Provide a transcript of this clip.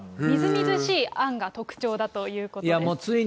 みずみずしいあんが特徴だということです。